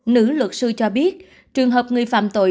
nữ luật sư cho biết trường hợp người phạm tội